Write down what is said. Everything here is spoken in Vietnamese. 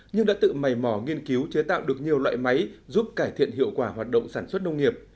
nhưng đã tự mầy mỏ nghiên cứu chế tạo được nhiều loại máy giúp cải thiện hiệu quả hoạt động sản xuất nông nghiệp